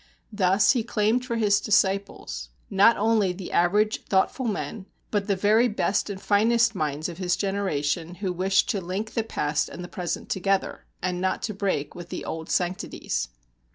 Thus he claimed for his disciples not only the average thoughtful men, but the very best and finest minds of his generation who wished to link the past and the present together, and not to break with the old sanctities.